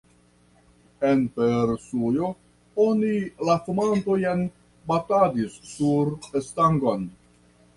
En Persujo oni la fumantojn batadis sur stangon.